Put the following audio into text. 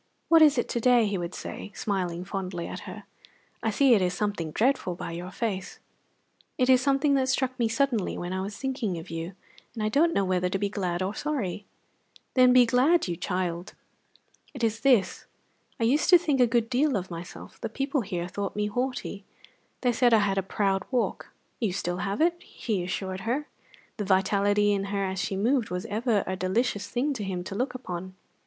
"What is it to day?" he would say, smiling fondly at her. "I see it is something dreadful by your face." "It is something that struck me suddenly when I was thinking of you, and I don't know whether to be glad or sorry." "Then be glad, you child." "It is this: I used to think a good deal of myself; the people here thought me haughty; they said I had a proud walk." "You have it still," he assured her; the vitality in her as she moved was ever a delicious thing to him to look upon.